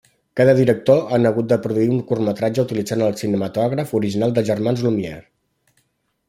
Cada director han hagut de produir un curtmetratge utilitzant el cinematògraf original dels Germans Lumière.